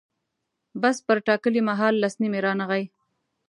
بس پر ټاکلي مهال لس نیمې رانغی.